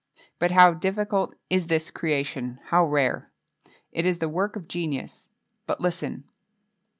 But how difficult is this creation how rare! It is the work of genius but listen.